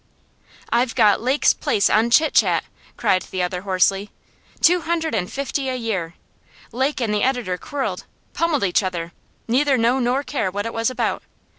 'I've got Lake's place on Chit Chat!' cried the other hoarsely. 'Two hundred and fifty a year! Lake and the editor quarrelled pummelled each other neither know nor care what it was about.